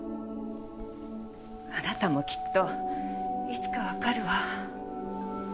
あなたもきっといつかわかるわ。